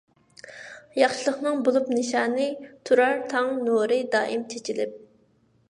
ياخشىلىقنىڭ بولۇپ نىشانى، تۇرار تاڭ نۇرى دائىم چېچىلىپ.